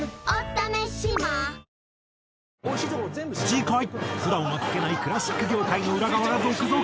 次回普段は聞けないクラシック業界の裏側が続々！